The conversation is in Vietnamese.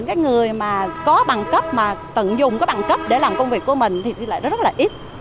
các người mà có bằng cấp mà tận dụng có bằng cấp để làm công việc của mình thì rất là ít